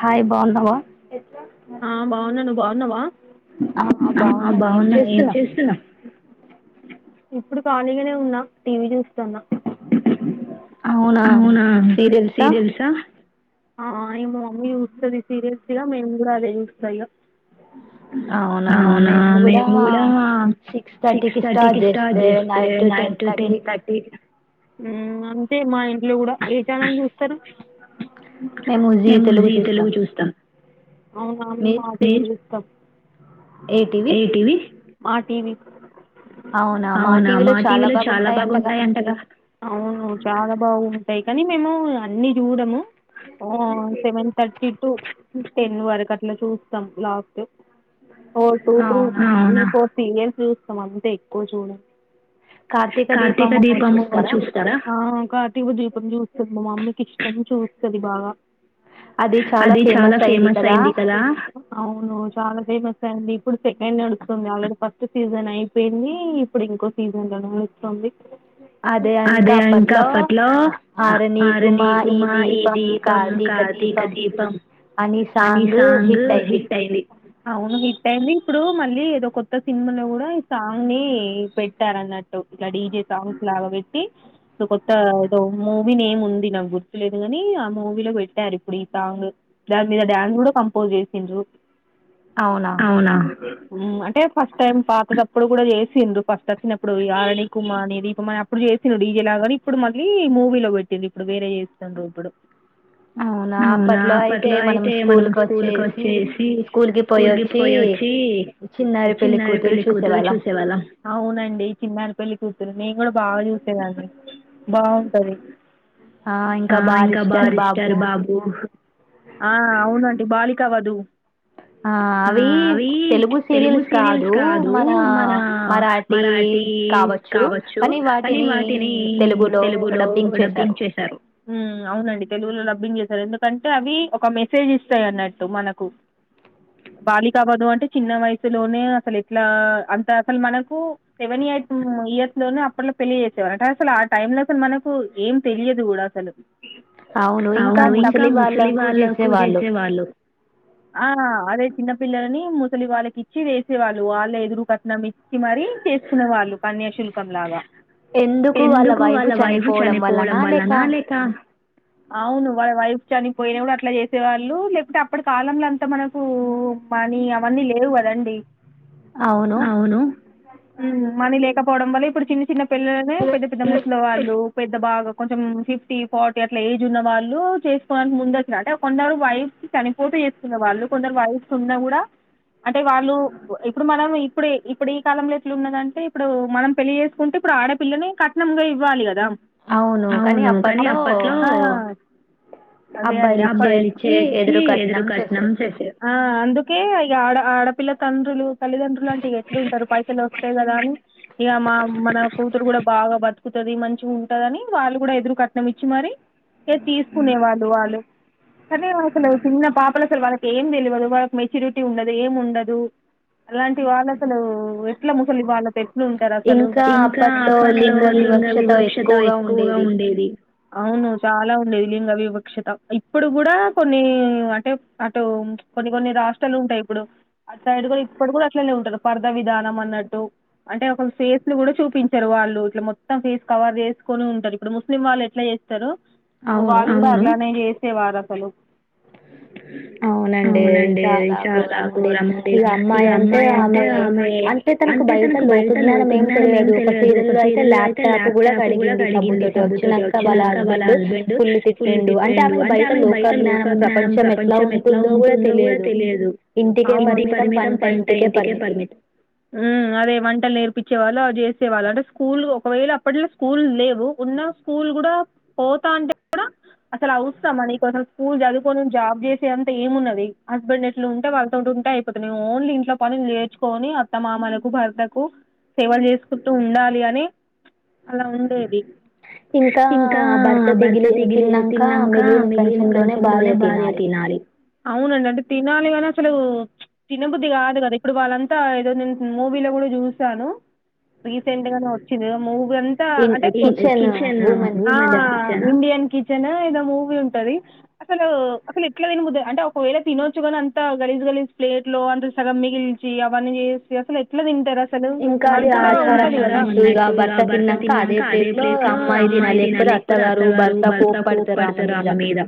hi బాఉన్నవ ఆ బాగున్న నను బాగున్నావా ఆ బాగున్నా ఏం చేస్తున్నవ్ ఇప్పుడు ఖాళీగానే ఉన్నా టీవీ చూస్తున్నా అవునా సీరియల్సా ఆ ఏమో మీరు చూస్తుది సిరియల్సే గా మేము కూడా అదే చూస్తా ఇగ అవునా మేము కూడా సిక్స్ థర్టీకి స్టార్ట్ చేస్తాం అదిేస్తే నైట్ టు టెన్ థర్టీ హ్మ్ అంతే మా ఇ లో కూడా ఏ ఛానల్ చూస్తార మేము జీ తెలుగు చూస్తాం అవునా మే మాట ఏం చూస్తాం ఏటివి మా టీవ అవునా మా టీవీలో చాలా బాగుంటాయి అంటగా అవు బాగుంటాయి కానీ మేము అన్ని చూడము సెవెన్ థర్టీ టు టెన్ వరకు అట్లా చూస్తాం last two three four serials చూస్తం అంతే ఎక్కువ చూడండి కార్తీక దీపము చూస్తారా కార్తీక దీపం చూస్త మా మమ్మీకి ఇష్టం చూస్తుంది బాగా అది చాలా ఫేమస్ అయింది కదా అవును చాలా ఫేమస్ అండి ఇప్పుడు సెకండ్ నడుస్తుంది ఆల్రెడీ ఫస్ట్ సీజన్ అయిపోయింది ఇప్పుడు ఇంకో సీజన్ లో నస్తుంది అదే ఇంకా అప్పట్లో ఆరణ కుమ ఈ దీపం కార్తీక దీపం అని సాంగ్ హిట్ అయింది అవును హిట్ అయింది ఇప్పుడు మళ్ళీ ఏదో కొత్త సినిమాలో కూడా ఈ సాంగ్ ని పెట్టార గడిజ సాస్లా కొత్త ఏదో మూవీ న ఏం ఉంది నాకు గుర్తులేదు కాని ఆ మూవీలో పెట్టారు ఇప్పుడు ఈ సాంగ్ దాని మీద డడాన్స్ కూడా కంపోజ్ చేసిండ్రు అవునా అంటే ఫస్ట్ టై పాత ఇప్పుడు కూడా చేసిన్రు ఫస్ట్ వచ్చినప్పుడు ఈ ఆరణీ కుమార్ అ దీప అని అప్పుడు చేసినడు ఈజే లాగాని ఇప్పుడు మళ్ళీ మూవీలో పెట్టిడు ఇప్పుడు వేరే చేస్తుండ్రడు ఇప్పుడు అవునా అప్పట్లో అయితే మనం స్కూల్ క వచ్చేసి స్కూల్ కి పోయి వచ్చి చిన్నారి పెళ్ళి కూతురు చూసేవాళ్ళం అవునండి చిమానపల్లి కూతురుని నేను కూడా బాగా చూసేదాన్ని బాగుంటది ఆ ఇంకా బారి ఇష్టారు బాబు ఆ అవునండి బాల కవదు ఆ అవి తెలుగు సీరియల్స్ కాదు మన మర మరాఠీ కావచ్చు కానీ వాటిని తెలుగులో డబ్బింగ్ చేసారు అవునండి తెలుగు లభించసారు ఎందుకంటే అవి ఒక మెసేజ్ ఇస్తాయి అన్నట్టు మనకు బాలికా బధు అంటే చిన్న వయసులోనే అసలు ఎట్లా అంత అసలు మనకు సెవెన్ ఎయిట్ ఇయర్స్ లోనే అప్పట్లో పెళ్లి చేసేవారు అంటే అసలు ఆ టైమ్ లో అసలు మనకు ఏం తెలియదు కూడా అసలు అవును ఇంకా ముసలి వాళ్ళకు చేసేవాలు ఆ అదే చిన్నపిల్లలని ముసలి వాళ్ళకి ఇచ్చి వేసేవాళ్ళు వాళ్ళ ఎదురు కట్నం ఇ కి మర చేస్తున్న వాళ్ళు కన్యాశుల్కం లావా ఎందుకు వాళ్ళ వైఫ్ చనిపోవడం వల్లన లేక అవును వాళ్ళ వైఫ చనిపోయినా కూడా అట్లా చేసేవాళ్ళు లేకుంటతే అప్పటి కాలంలో అంతా మనకు మనీ అవన్నీ లేవు కదండి అవును హమ్ మనీ లేక చేసుకోవడం వల్ ఇప్పుడు చిన్న చిన్న పెళ్లనే పెద్ద పెద్ద మట్లో వాళ్ళు పెద్ద బాగా కొంచెం ఫిఫ్టీ ఫార్టీ అట్లా ఏజ్ ఉన్న వాళ్ళు చేసుకోడానికి ముందు వచ్చిన అంటే కొందరు వైఫ్ సనిపోర్ చేసుకునే వాళ్ళు కొందరు వైఫ్స్ ఉన్న కూడా అంటే వాళ్ళు ఇప్పుడు మనం ఇప్పుడ ఇప్పుడు కలంలో ఎట్లు ఉన్నద అంటే ఇప్పుడు మనం పెళ్ళ చేసుకుంటే ఇప్పుడు ఆడపిల్లని కట్నంంగా ఇవ్వాలి కదా అవును కాని అప్పట్లో అబ్బాయిలు చేర్చి ఎదురు కట్నం చేసే అందుకే ఈ ఆడ ఆడపిల్ల తండ్రులు తల్లిదండ్రులులాంటివి ఎట్లు ఉంటారు స్తే కదా అని ఇక మా మన కూతురు కూడా బాగా బతుకుతుంది మంచి ఉంటదని వాళ్ళు కూడా ఎదురు కట్నం ఇచ్చి మరి ఇక తీసుకునే వాళ్ళు వాళ్ళు కానీ అసలు చిన్న పాపలు అసలు వాళ్ళకి ఏం తెలియదు వాళ్ళకి మెచ్యూరిటీ ఉండదు ఏం ఉండదు అలాంటి వాళ్ళు అసలు ఎట్లా ముసలి బాల ఎట్లు ఉంటారు అసలు ఇంకా అప్పట్లో లింగ వివక్షత ఎక్కువగా ఉండేది అవును చాలా ఉండేది లింగ వివక్షత ఇప్పుడు కూడా కొన్ని అంటే అటు కొన్ని కొన్ని రాష్ట్రాలు ఉంటాయి ఇప్పుడు అ సైడ్ కూడా ఇప్పుడు కూడా అట్లనే ఉంటారు పర్ద విధానం అన్నట్టు అంటే ఒక ఫేస్ ని కూడా చూపించారు వాళ్ళు ఇట్లా మొత్తం ఫేస్ కవర్ చేసుకొని ఉంటారు ఇప్పుడు ముస్లిం వాళ్ళు ఎట్లా చేస్తారు [unintelligible] త్యవారా చలు అవునండి చాలా ఘోరం ఉండేది ఇక అమ్మాయి అంటే ఆమె అ అంటే తనకు బయట లోక జ్ఞానం ఏం తెలియదు ఒక సీరియల్ లో అయితే ల్యాప్టాప్ కూడా కడిగింది సబ్బుతోటి వచ్చినాక వాళ్ళ హస్బెండ్ ఫుల్ తిట్టిండు అంటే ఆమెకు బయట లోకజ్ఞానం ప్రపంచం అలా ఉంటుందో కూడా తెలియదు ఇంటికే పరిమితం పంట ఇంటికే పరిమితం అదే వంటలు నేర్పించే వాళ్ళు అవి చేసే వాళ్ళు అంటే స్కూల్ ఒకవేళ అప్పట్లో స్కూల్ లేవు ఉన్న స్కూల్ కూడా పోతా అంటే కూడా అసలు అవుస్తాం నీకు అసలు స్కూల్ చదువుకొని జాబ్ చేసే అంత ఏమున్నది హస్బెండ్ ఎట్లు ఉంటే వాళ్ళతో ఉంటే అయిపోతుాన్నా ఓన్లీ ఇంట్లో పనిలు నేర్చుకొని అత్త మామలకు భర్తకు సేవలు చేసుకుంటూ ఉండాలి అని అలా ఉండేది ఇంకా భర్త తిగిలి తిన్నాక మిగిలిన కంచెంలోనే భార్య తినాలి అవునండి అంటే తినాలి కానీ అసలు తినన్నబుద్ధి కాదు కదా ఇప్పుడు వాళ్ళంతా చ వ ఇ అనా ఏద మూవీ ఉంటుది అసలు అసలు ఎట్లా త అంటే ఒకవేళ తినొచ్చు కాని అంత గలీజ్ గలీజ్ ప్లేట్ లో అంత సగం మిగిలిచి అవన్నీ అసలు ఎట్లా తింటారా న్నట్టు ఇ భర్త తిన్నాక అదే ప్లేట్ లో అమ్మాయి తిన లేకపోతే అత్తగారు భర్త కో పడతారు ఆమ్ మీద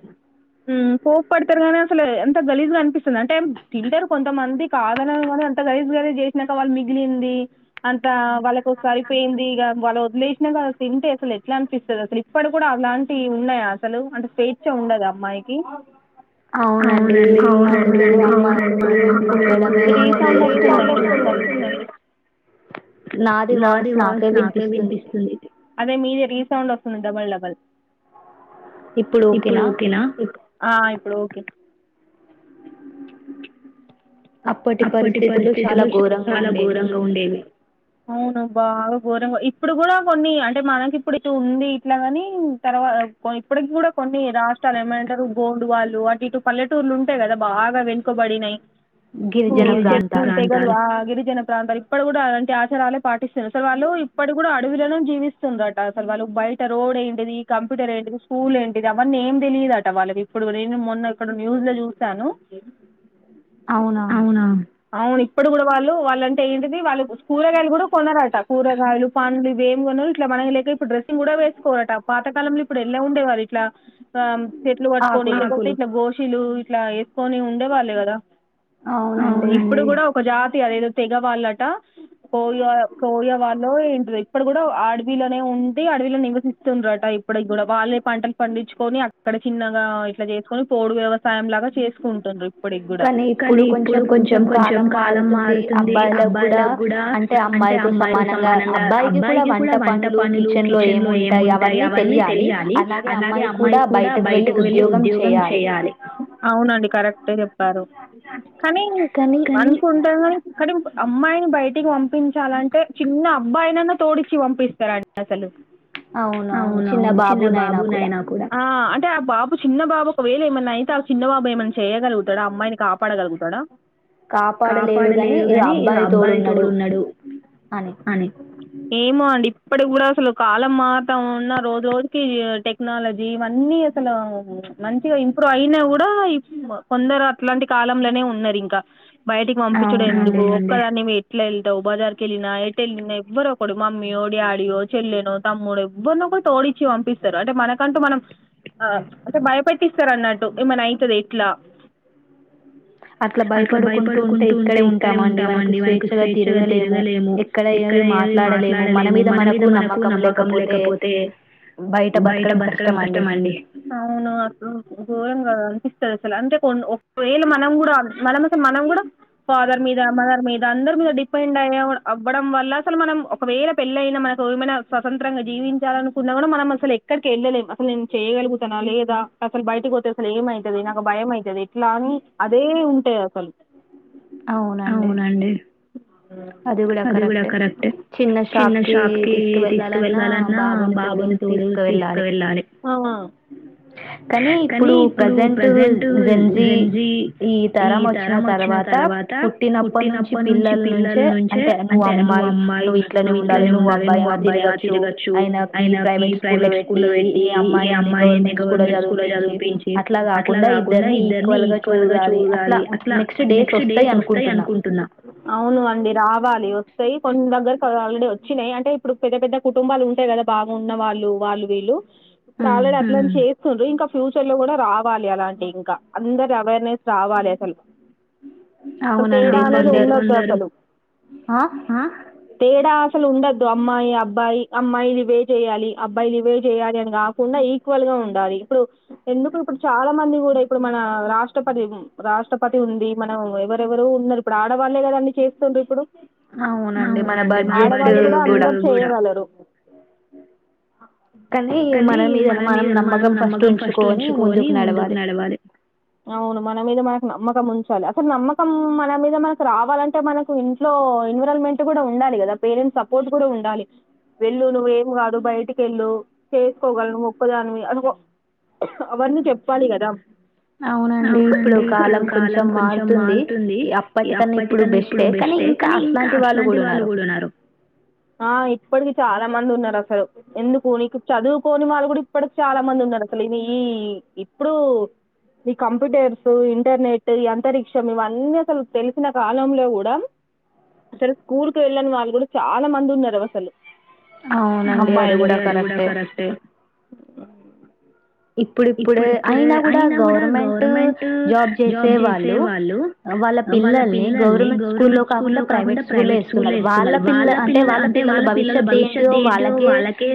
కాపాడుతారు అసలు ఎంత గలీజ్గా అనిపిస్తుంది అంటే ఏ తింటారు కొంతమంది కాదని అంత గలీజ్గానే [unintelligible] వాళ్ళ మిగిలింది అంత వాళ్ళకి ఒకసారిపోయింది ఇగా వాళ్ళు వదిలేసినాక తింటే అసలు ఎట్లా అనిపిస్తుంది అసలు ఇప్పుడు కూడా అలాంటివి ఉన్నాయా అసలు అంటే స్వేచ్ఛ ఉండదు అమ్మాయికి అవునండి [unintelligible] నాది వాయిస్ నాకే వినిపిస్తుంది అదే మీది రీసౌండ్ డబల్ డబల్ ఇప్పుడు ఓకేనా ఇప్పు ఆ ఇప్పుడు ఓకే అప్పటి పరిస్థితులు చాలా ఘోరంగా ఉండేవి అవును బాగా ఘోరంగా ఇప్పుడు కూడా కొన్ని అంటే మనకి ఇప్పుడు ఇటు ఉంది ఇట్లాగాని తర్వాత ఇప్పటికి కూడా కొన్ని రాష్ట్రాలు ఏమంటారు గోండువాళ్ళలు అటు ఇటు పల్లెటూర్లు ఉంటాయి కదా బాగా వెనుకబడినాయి గిరిజన ప్రాంతాల్లో న ప్రాంతాలు ఇప్పుడు కూడా అలాంటి ఆచారాలే పాటిస్తుంది అసలు వాళ్ళు ఇప్పడు కూడా అడవులోనే జీవిస్తుందట అసలు వాళ్ళు బయట రోడ్ ఏంటిది కంప్యూటర్ ఏంటిది స్కూల్ ఏంటిది అవన్నీ ఏం తెలియదుట వాళ్ళకి ఇప్పుడు నేను మొన్న ఇక్కడ న్యూస్ లో చూశాను అవునా అవును ఇప్పుడు కూడా వాళ్ళు వాళ్ళంటే ఏంటిది వాళ్ళు కూరగాయలు కూడా కొనరట కూరగాయలు పంలు ఇవి ఏం కొనరు ఇట్లా మన లేక ఇప్పుడు డ్రెస్సింగ్ కూడా వేసుకోరట పాతకాలంలో ఇప్పుడు ఎలా ఉండేవారు ఇట్లా [unintelligible] [unintelligible] ఇట్లా వేసుకొని ఉండే వాళ్ళు కదా అవును అండి ఇప్పుడు కూడా ఒక అదేదో తెగా వాళ్లలాట కో కోయా వాళ లో ఇప్పుడు కూడా అడవిలోనే ఉండి అడవిలో నివసిస్తుండ్రట పడ గుడ వాాల్లె పంటలు పండించుకొని అక్కడ చిన్నగా ఇట్లా చేసుకుని పోడు వ్యవసాయం లాగా చేసుకుంటుండ్ర ఇప్పుడికి కూడా కానీ ఇప్పుడు కొంచెం కొంచెం కాలం మారుతుంది అబ్బాయిలకు కూడా అంటే అమ్మాయి సమానంగా అబ్బాయికి కూడా వంట పనులు కిచెన్ లో ఏమింటాయి అవన్నీ తెలియాలి అలాగే అమ్మాయి కూడా బయటకు వెళ్ళి ఉద్యోగం చేయాలి అవునండి కరెక్ట్ కానీ మనకు ఉంటా కానీ కానీ అమ్మాయిని బయటికి పంపించాలంటే చిన్న అబ్బాయిననా తోడిచి పంపిస్తారు అసలు అవునవును చిన్న బాబునయినా కూడా అంటే బాబు చిన్నబాబు ఒక్కవెళ్ళ ఏమన్నా అయితే ఆ చిన్నబాబు ఏమన్నా చేయగలుగుతాడా ఆ అమ్మాయిని కాపా [unintelligible] కాపాడలేడు కాని ఇలా అబ్బాయి తోడు ఉన్నాడు అని ఏమో అండి ఇప్పటి కూడా అసలు కాలం మాత్రం ఉన్న రోజు రోజుకి టెక్నాలజీ ఇవన్నీ అసలు మంచిగా ఇంప్రూవ్ అయినా కూడా కొందరు అట్లాంటి కాలంలోనే ఉన్నారు ఇంకా బయటికి పంపించడం ఎందుకు ఒక్కదాన్ని మీ ఎట్లా వెతావు బజార్కి వెళ్ళినా ఎట్ వెళ్ళినా ఎవ్వరుొ ఒకడు మమ్మయో డాడయో చెల్లెనో తమ్ముడో ఎవ్వరినో కూడా తోడిచ్చి పంపిస్తారు అంటే మనకంటూ మనం ఆ అంటే భయపెట్టిస్తారు అన్నట్టు ఏమనా అవుతుంది ఎట్లా అట్లా భయపడుకుంటూ ఉంటే ఇక్కడే ఉంటామ అండి మనకు స్వేచ్ఛగా తిరగలేము ఎక్కడ మాట్లాడలేము మన మీద మనకు నమ్మకం లేకపోతే బయట బతకడం కష్టమ అండి అవును అ గోరం కదా స సా అంటే ఒకవేళ మనం కూడా మనం అస మనం కూడా ఫాదర్ మీద మదర్ మీద అందరి మీద డిపెండ్ అయ్యా అవ్వడం వల్ల అసలు మనం ఒకవేళ పెళ్ళ అయినా మనకు ఏమైనా స్వతంత్రంగా జీవించాలనుకున్నా కూడా మనం అసలు ఎక్కడికి వెళ్ళలేం అసలు నేను చేయగలుగుతా లేదా అసలు బయటకి పోతే అసలు ఏమవుతుంది నాకు భయం అవుతుంది ఇట్లా అని అదే ఉంటాయి అసలు అవునండి అది కూడా కరెక్ట్ చిన్న షాప్ కి తీసుకు వెెళ్ళాలన్నా బాబుని తోడు తీసుకువెళ్ళాలి కానీ ఇప్పుడు ప్రజెంట్ జీ ఈ తరం వచ్చిన తర్వాత అ పుట్టినప్పటి నుంచి పిల్లల నుంచే అంటే నువ్వు అమ్మాయి నువ్వు ఇంట్లోనే ఉండాలి నువ్వు అబ్బాయి తిరగచ్చు ఆయనకి ప్రైవేట్ స్కూల్ పెట్టి ఈ అమ్మాయిని గవర్నమెంట్ స్కూల్లో చదిపించి అట్లా కాకుండా ఇద్దరిని ఈక్వల్ గా చూడాలి అట్లా నెక్స్ట్ డేస్ వస్తాయి అనుకుంటున్నా అవును అండి రావాలి కొన్ని దగ్గరకు ఆల్రెడీ వచ్చినాయి అంటే ఇప్పుడు పెద్ద పెద్ద కుటుంబాలు ఉంటాయి కదా బాగున్నళ్ళు వాళ్ళు వీళ్ళు ఇప్పుడు ఆల్రెడీ అర్థం చేసు స్తుండ్ర ఇంకా ఫ్యూచర్ లో కూడా రావాలి అలాంటి ఇంకా అందరు అవేర్నెస్ రావాలి అసలు తేడా అనేది ఉండదు అసలు ఆ తేడా అసలు ఉండదు అమ్మాయి అబ్బాయి అమ్మాయిలు ఇవే చేయాలి అబ్బాయిలు ఇవే చెయాలి అని కాకుండా ఈక్వల్ గా ఉండాలి ఇప్పుడు ఎందుకు ఇప్పుడు చాలా మంది కూడా ఇప్పుడు మన రాష్ట్రపతి రాష్ట్రపతి ఉంది మనం ఎవరెవరు ఉన్నారు ఇప్పుడు ఆడవాళ్ళలే కదా అన్ని చేస్తుండ్రారు ఇప్పుడు అవునండ ఆడవాళ్లు అందరూ చేయగలరు ఓకే కానీ మన మీదనా మనం నమ్మకం ఫస్ట్ ఉంచుకొని ముందుకు నడవాలి అవును మన మీద మనకు నమ్మకం ఉంచాలి అసలు నమ్మకం మన మీద మనకు రావాలంటే మనకు ఇంట్లో ఎన్విరాల్మెంట్ కూడా ఉండాలి కదా పేరెంట్స్ సపోర్ట్ కూడా ఉండాలి వెళ్ళు నువ్వు ఏం కాదు బయటికి వెళ్ళు చేసుకోగ నువ్వు ఒక్కదాని అనుకో అవన్నీ చెప్పాలి కదా అవునండి ఇప్పుడు కాలం కొంచెం మారుతుంది అప్పటికన్నా ఇప్పుడు బెస్టే కానీ ఇంకా అట్లాంటి వాళ్ళు కూడా ఉన్నారు ఆ ఇప్పటి చాలా మంది ఉన్నారు అసలు ఎందుకు నీకు చదువుకోని వాళ్ళు కూడా ఇప్పడుకి చాలా మంది ఉన్నారు అసలు ఈ ఈ ఇప్పుడు ఈ కంప్యూటర్స్ ఇంటర్నెట్ అంతరిక్షం ఇవన్నీ అసలు తెలిసిన కాలంలో కూడా అసలు స్కూల్ కు వెళ్ళని వాళ్ళు కూడా చాలా మంది ఉన్నారు అసలు అవునండి అది కూడా కరెక్ట్ే ఇప్పుడిప్పుడే అయినా కూడా గవర్నమెంట్ జాబ్ చేసే వాళ్ళు వాళ్ళ పిల్లల్ని గవర్నమెంట్ స్కూల్లో కాకుండా ప్రైవేట్ స్కూల్లో ఇస్తున్నారు వాళ్ళ పిల్ల అంటే వాళ్ళ పిల్లల భవిష్యత్ ఏంటిో వాళ్ళకే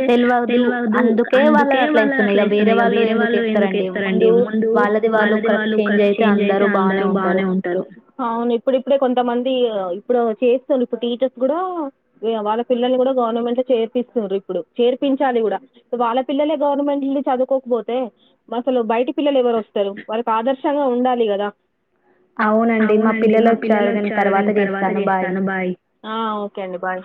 తెలియదు అందుకే వాళ్ళని అట్లా ఇస్తున్నాయి రవ వేరే వాళ్ళు ఎందుకుేస్తారండి ముందు వాళ్ళది వాళ్ళు కరె చేంజ్ అయితే అందరు బాగానే ఉంటారు అవును ఇప్పుడిప్పుడే కొంతమంది ఇప్పుడు చేస్తున్నారు ఇప్పుడు టీచర్స్ కూడా వాళ్ళ పిల్లల్ని కూడా గవర్నమెంట్ లో చేర్పిస్తున్నారు ఇప్పుడు చేర్పించాలి కూడా వాళ్ళ పిల్లలే గవర్నమెంట్ నుంచి చదువుకోకపోతు అే అసలు బయట పిల్లలు ఎవరు వస్తారు వాళ్ళకి ఆదర్శంగా ఉండాలి కదా అవునండి మా పిల్లలు వచ్చారు నేను తర్వాత చేస్తాను బాయ్ ఆ ఒకే అండి బాయ్